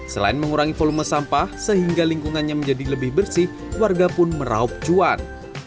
selain mengurangi volume sampah sehingga lingkungannya menjadi lebih bersih warga pun meraup cuan